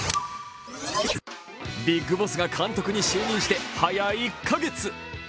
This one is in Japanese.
ビッグボスが監督に信任して早１カ月。